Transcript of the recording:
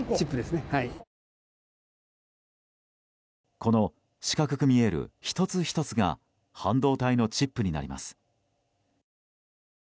この四角く見える１つ１つが半導体のチップになります。